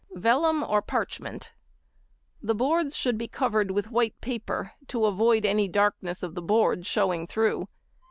Vellum or Parchment.—The boards should be covered with white paper, to avoid any darkness of the board showing through.